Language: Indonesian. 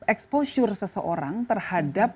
exposure seseorang terhadap